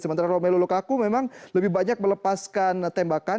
sementara romelu lukaku memang lebih banyak melepaskan tembakan